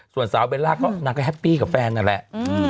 ส่วนสาวเบลล่าก็นางก็แฮปปี้กับแฟนนั่นแหละ